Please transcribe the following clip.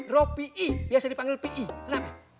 ropi i biasa dipanggil pi rapi